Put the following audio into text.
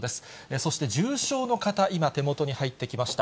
そして重症の方、今、手元に入ってきました。